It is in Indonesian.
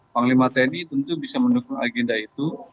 panglima tni tentu bisa mendukung agenda itu